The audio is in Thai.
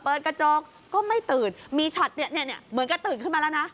เปิดกระจกก็ไม่ตื่นมีช็อตเนี่ยเหมือนกับตื่นขึ้นมาแล้วนะ